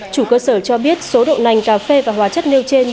chủ cơ sở cho biết số đậu nành cà phê và hóa chất nêu trên